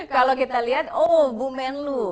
kalau kita lihat oh bumen lu